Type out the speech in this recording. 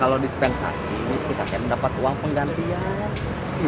kalau dispensasi kita kayak mendapat uang penggantian